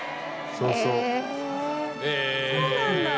そうなんだ。